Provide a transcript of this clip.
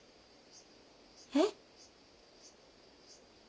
えっ？